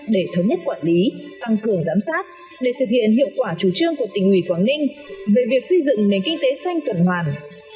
để thống nhất quản lý tăng cường giám sát để thực hiện hiệu quả chủ trương của tỉnh ủy quảng ninh về việc xây dựng nền kinh tế xanh tuần hoàn